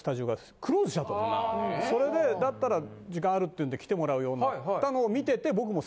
それでだったら時間あるっていうんで来てもらうようになったのを見てて僕も。